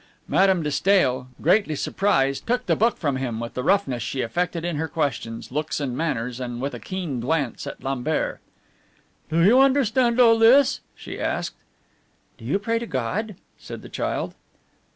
Madame de Stael, greatly surprised, took the book from him with the roughness she affected in her questions, looks, and manners, and with a keen glance at Lambert, "Do you understand all this?" she asked. "Do you pray to God?" said the child.